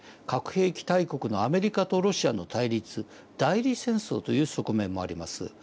核兵器大国のアメリカとロシアの対立代理戦争という側面もあります。